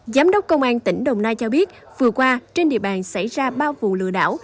giám đốc công an tỉnh đồng nai cho biết vừa qua trên địa bàn xảy ra ba vụ lừa đảo